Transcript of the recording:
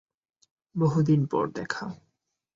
বহুদিন পর দেখা।